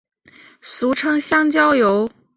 俗称香蕉油。